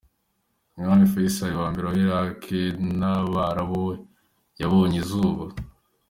Umwami Faisal wa mbere wa Iraq n’abarabu yabonye izuba.